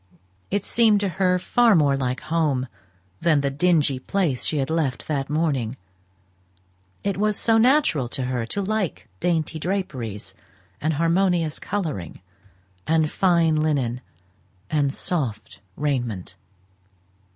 It seemed to her far more like home than the dingy place she had left that morning; it was so natural to her to like dainty draperies, and harmonious colouring, and fine linen, and soft raiment.